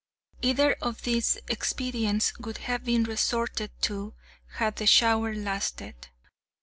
Either of these expedients would have been resorted to had the shower lasted.